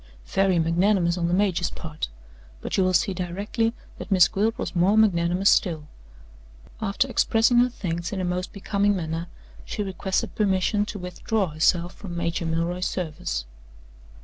Very magnanimous on the major's part; but you will see directly that Miss Gwilt was more magnanimous still. After expressing her thanks in a most becoming manner, she requested permission to withdraw herself from Major Milroy's service.